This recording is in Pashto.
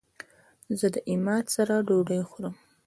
زه د عماد سره ډوډی خورم